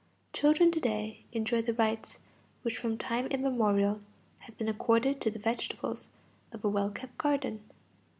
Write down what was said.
Children to day enjoy the rights which from time immemorial have been accorded to the vegetables of a well kept garden.